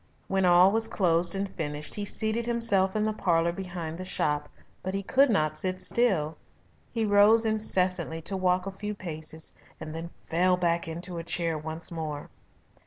When all was closed and finished he seated himself in the parlour behind the shop. But he could not sit still. He rose incessantly to walk a few paces and then fell back into a chair once more.